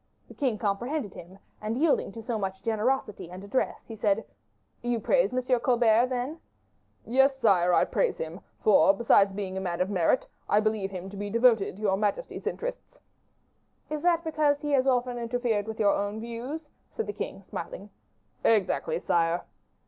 The king comprehended him, and yielding to so much generosity and address, he said, "You praise M. Colbert, then?" "Yes, sire, I praise him; for, besides being a man of merit, I believe him to be devoted to your majesty's interests." "Is that because he has often interfered with your own views?" said the king, smiling. "Exactly, sire."